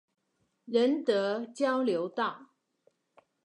仁德交流道